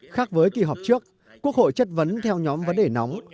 khác với kỳ họp trước quốc hội chất vấn theo nhóm vấn đề nóng